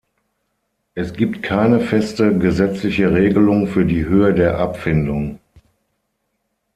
Es gibt keine feste gesetzliche Regelung für die Höhe der Abfindung.